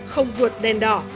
không vượt đèn đỏ